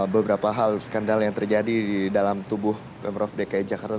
beberapa hal skandal yang terjadi di dalam tubuh pemprov dki jakarta